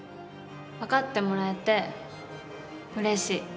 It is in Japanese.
分かってもらえてうれしい。